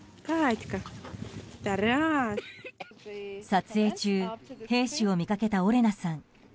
撮影中、兵士を見かけたオレナさん。